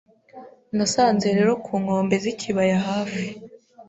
Nasanze rero ku nkombe z'ikibaya hafi